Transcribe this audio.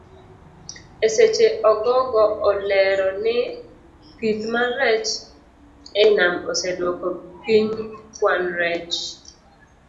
Eseche ogogo olero ni pith mar rech ei nam oseduoko piny kwan rech.